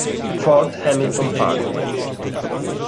Fort Hamilton Parkway